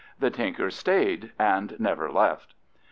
The tinker stayed and never left.